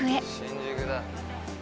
新宿だ。